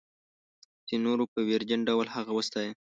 ځینو نورو په ویرجن ډول هغه وستایه.